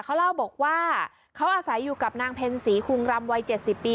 เขาเล่าบอกว่าเขาอาศัยอยู่กับนางเพ็ญศรีคุงรำวัย๗๐ปี